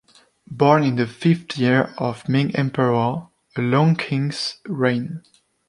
Born in the fifth year of Ming Emperor Longqing’s reign.